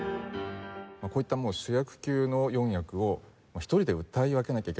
こういった主役級の４役を１人で歌い分けなきゃいけない。